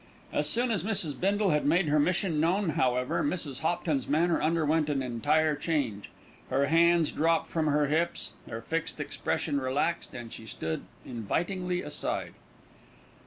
As soon as Mrs. Bindle had made her mission known, however, Mrs. Hopton's manner underwent an entire change. Her hands dropped from her hips, her fixed expression relaxed, and she stood invitingly aside.